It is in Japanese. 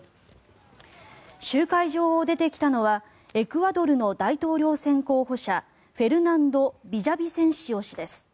集会場を出てきたのはエクアドルの大統領選候補者フェルナンド・ビジャビセンシオ氏です。